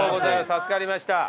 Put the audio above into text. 助かりました。